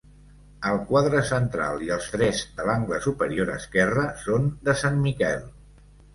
El quadre central i els tres de l'angle superior esquerre són de Sant Miquel.